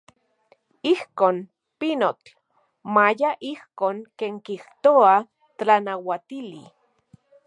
Ijkon, pinotl, maya ijkon ken kijtoa tlanauatili.